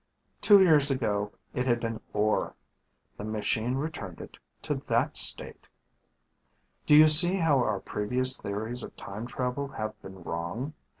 Ten years ago it had been ore. The machine returned it to that state. "Do you see how our previous theories of time travel have been wrong?